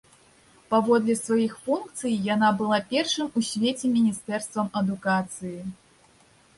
Паводле сваіх функцый яна была першым у свеце міністэрствам адукацыі.